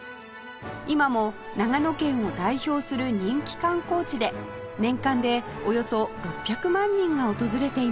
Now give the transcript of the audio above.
今も長野県を代表する人気観光地で年間でおよそ６００万人が訪れています